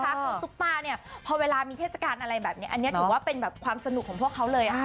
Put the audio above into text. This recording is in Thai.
คือซุปตาเนี่ยพอเวลามีเทศกาลอะไรแบบนี้อันนี้ถือว่าเป็นแบบความสนุกของพวกเขาเลย